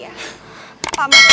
aku akan membantumu kak